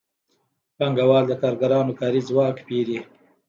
پانګوال د کارګرانو کاري ځواک پېري